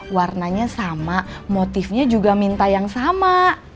warnanya sama motifnya juga minta yang sama